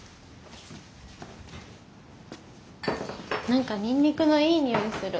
何かにんにくのいい匂いがする。